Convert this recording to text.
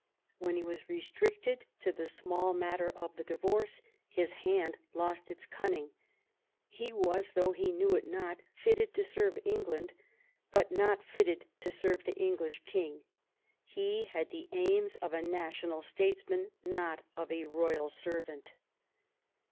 When he was restricted to the small matter of the divorce his hand lost its cunning. He was, though he knew it not, fitted to serve England, but not fitted to serve the English king. He had the aims of a national statesman, not of a royal servant.